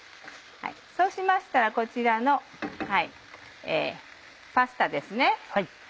そうしましたらこちらのパスタですね。